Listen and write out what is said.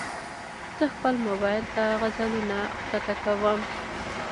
زه خپل موبایل ته غزلونه ښکته کوم.